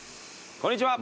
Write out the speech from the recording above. こんにちは。